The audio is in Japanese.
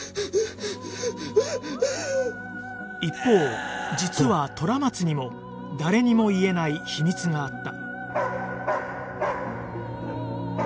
一方実は虎松にも誰にも言えない秘密があった